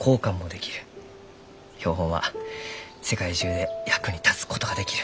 標本は世界中で役に立つことができる。